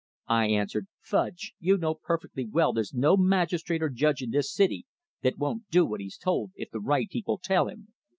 I answered: "Fudge! You know perfectly well there's no magistrate or judge in this city that won't do what he's told, if the right people tell him.